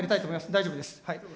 大丈夫です。